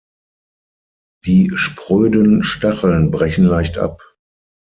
Die spröden Stacheln brechen leicht ab.